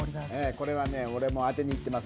これはね俺も当てに行ってます。